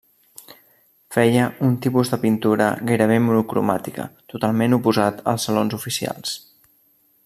Feia un tipus de pintura gairebé monocromàtica, totalment oposat als salons oficials.